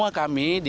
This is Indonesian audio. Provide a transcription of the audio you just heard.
hai selalu di